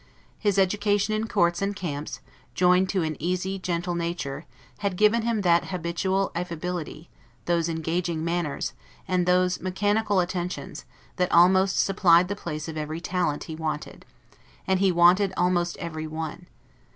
His education in courts and camps, joined to an easy, gentle nature, had given him that habitual affability, those engaging manners, and those mechanical attentions, that almost supplied the place of every talent he wanted; and he wanted almost every one.